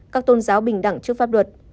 các tôn giáo bình đẳng trước pháp luật